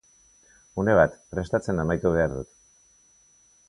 Une bat, prestatzen amaitu behar dut.